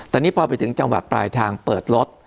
แต่นี่พอไปถึงจังหวัดปลายทางเปิดรถ